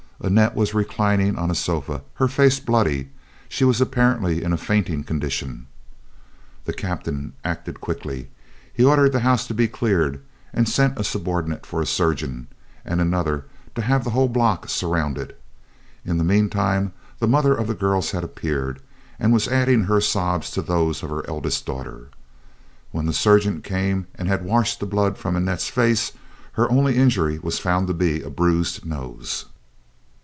Annette was reclining on a sofa, her face bloody; she was apparently in a fainting condition. The captain acted quickly. He ordered the house to be cleared, sent a subordinate for a surgeon, and another to have the whole block surrounded. In the mean time the mother of the girls had appeared, and was adding her sobs to those of her eldest daughter. When the surgeon came and had washed the blood from Annette's face, her only injury was found to be a bruised nose.